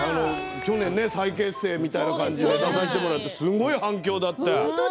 去年、再結成みたいに出させてもらってすごい反響だった。